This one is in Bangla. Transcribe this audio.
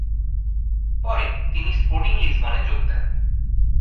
পরে তিনি স্পোর্টিং লিসবনে যোগ দেন।